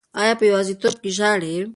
انا په یوازیتوب کې ژاړي.